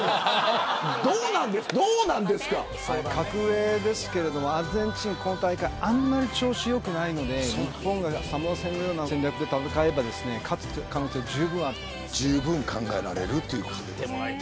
格上ですけどアルゼンチン、今大会あんまり調子よくないので日本がサモア戦のような戦略で戦えば、勝つ可能性あります。